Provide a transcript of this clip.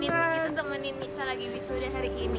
kita temanin nisa lagi wisuda hari ini